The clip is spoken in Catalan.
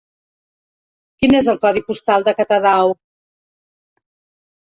Quin és el codi postal de Catadau?